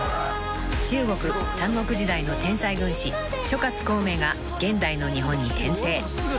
［中国三国時代の天才軍師諸葛孔明が現代の日本に転生］